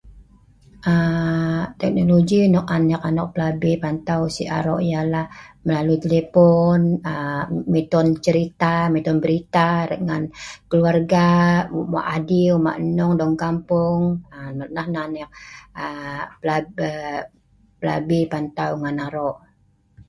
Teknologi nok an ek anok pelabi patau si aro yah nah melalui telefon miton cerita miton berita lat ngan keluarga mak adiu dong kampung nah nan ek pelabi patau ngan aro